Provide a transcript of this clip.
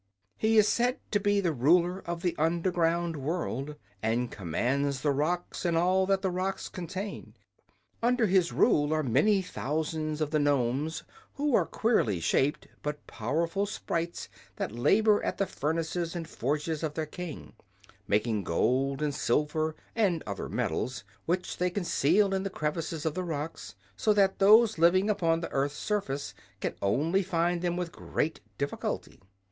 "He is said to be the Ruler of the Underground World, and commands the rocks and all that the rocks contain. Under his rule are many thousands of the Nomes, who are queerly shaped but powerful sprites that labor at the furnaces and forges of their king, making gold and silver and other metals which they conceal in the crevices of the rocks, so that those living upon the earth's surface can only find them with great difficulty.